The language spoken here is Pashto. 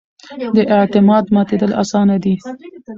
د اعتماد ماتېدل اسانه دي